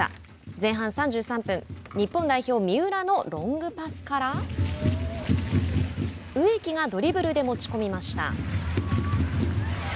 前半３３分日本代表、三浦のロングパスから植木がドリブルで持ち込みました。